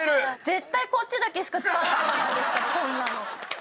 絶対こっちだけしか使わないじゃないですかこんなの。